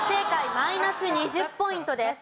マイナス２０ポイントです。